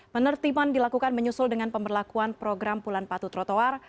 penertiban dilakukan menyusul dengan pemberlakuan program bulan patuh trotoar